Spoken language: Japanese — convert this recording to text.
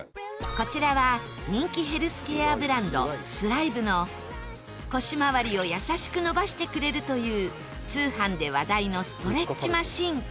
こちらは人気ヘルスケアブランドＴＨＲＩＶＥの、腰回りを優しく伸ばしてくれるという通販で話題のストレッチマシン